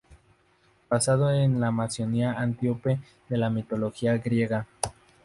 Basado en la Amazona Antíope de la Mitología griega.